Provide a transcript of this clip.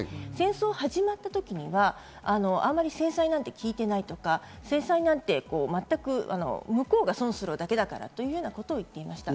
戦争が始まった時はあまり制裁なんて効いていないとか、制裁なんて全く向こうが損するだけだからと言っていました。